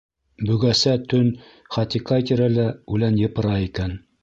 Бөгәсә төн Хати ҡай тирәлә үлән йыпыра икән?